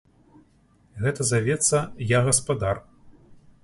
Гэта завецца, я гаспадар.